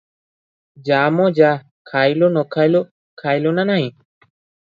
ଯା ମ ଯା, ଖାଇଲୁ, ନ ଖାଇଲୁ, ଖାଇଲୁ ନାହିଁ ନାହିଁ ।"